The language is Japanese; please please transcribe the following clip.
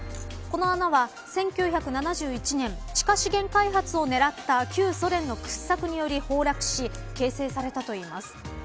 この穴は、１９７１年地下資源開発を狙った旧ソ連の掘削により崩落し、形成されたといいます。